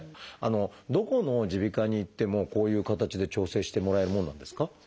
どこの耳鼻科に行ってもこういう形で調整してもらえるものなんですか？